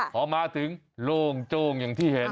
พอมาถึงโล่งโจ้งอย่างที่เห็น